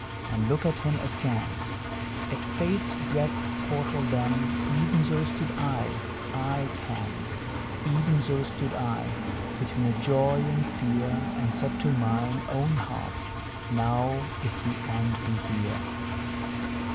and look at him askance: At Fate's dread portal then Even so stood I, I ken, Even so stood I, between a joy and fear, And said to mine own heart, "Now if the end be here!"